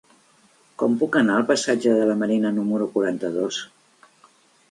Com puc anar al passatge de la Marina número quaranta-dos?